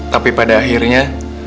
tapi pada akhirnya